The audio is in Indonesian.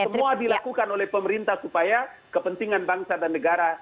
semua dilakukan oleh pemerintah supaya kepentingan bangsa dan negara